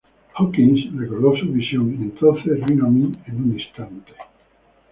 Hawkins recordó su visión: "Y entonces vino a mí en un instante.